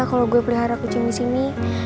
kalo gue pelihara kucing disini